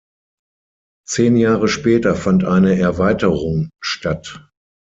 Zehn Jahre später fand eine Erweiterung statt.